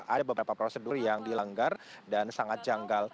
ada beberapa prosedur yang dilanggar dan sangat janggal